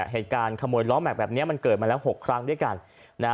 เหตุการณ์ขโมยล้อแม็กซแบบนี้มันเกิดมาแล้ว๖ครั้งด้วยกันนะฮะ